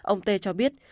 ông t cho biết